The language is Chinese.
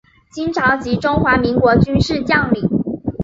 清朝及中华民国军事将领。